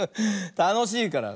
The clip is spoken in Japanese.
たのしいから。